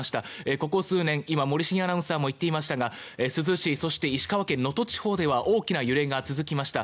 ここ数年、今森重アナウンサーも言っていましたが珠洲市そして石川県・能登地方では大きな揺れが続きました。